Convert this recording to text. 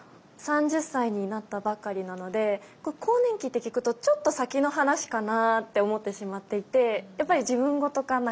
３０歳になったばかりなので更年期って聞くとちょっと先の話かなって思ってしまっていてやっぱり自分事化